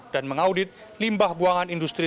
dan mengaudit limbah buangan industri